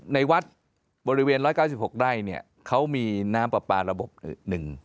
ในวัดบริเวณ๑๙๖ไร่เนี่ยเขามีน้ำปลาปลาระบบหนึ่ง